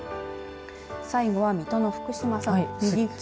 最後は、水戸の福嶋さん。